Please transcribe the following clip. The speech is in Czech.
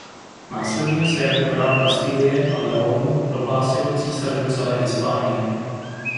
Následně se jako král Kastilie a Leónu prohlásil "císařem celé Hispánie".